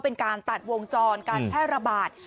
เป็นการตัดวงจรการแพร่ระบาด